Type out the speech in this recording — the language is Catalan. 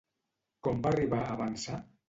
Com va arribar a avançar?